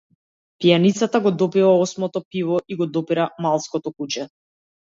Пијаницата го допива осмото пиво и го допира маалското куче.